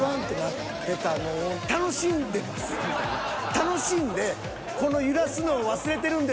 楽しんで。